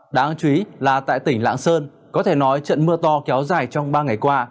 đáng chú ý là tại tỉnh lạng sơn có thể nói trận mưa to kéo dài trong ba ngày qua